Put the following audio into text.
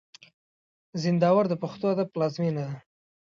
زينداور د پښتو ادب پلازمېنه ده.